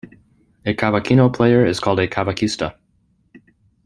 A cavaquinho player is called a "cavaquista".